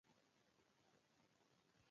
غنم په مني کې کرل کیږي.